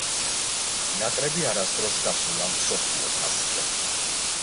ნაკრები არასდროს გასულა მსოფლიო თასზე.